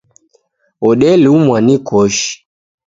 Wodelumwa ni koshi